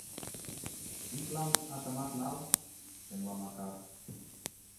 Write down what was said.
Витлан атымак нал, — темла Макар.